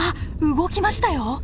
動きましたよ。